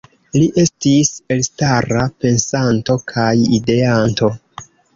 Li estis elstara pensanto kaj ideanto.